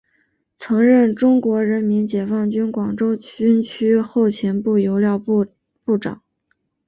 曾任中国人民解放军广州军区后勤部油料部部长。